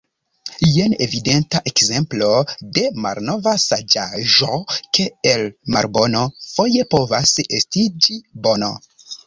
Jen evidenta ekzemplo de malnova saĝaĵo, ke el malbono foje povas estiĝi bono.